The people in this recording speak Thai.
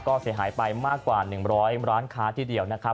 ก็เสียหายไปมากกว่า๑๐๐ร้านค้าทีเดียวนะครับ